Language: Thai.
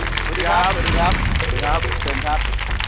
สวัสดีครับ